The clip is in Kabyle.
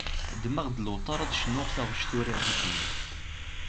Ddmeɣ-d lewṭer ad cnuɣ taɣect uriɣ zik-nni.